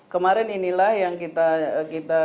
kemarin inilah yang kita